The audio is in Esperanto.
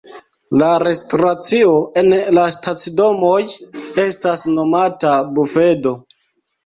La restoracio en la stacidomoj estas nomata bufedo.